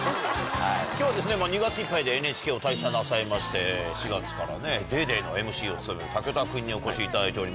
今日は２月いっぱいでＮＨＫを退社なさいまして４月から『ＤａｙＤａｙ．』のＭＣを務める武田君にお越しいただいております。